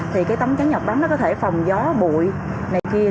thì cái tấm trắng giọt bắn nó có thể phòng gió bụi này kia